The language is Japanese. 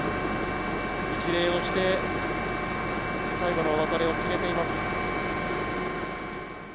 一礼して、最後のお別れを告げています。